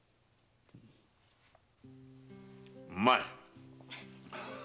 うまい。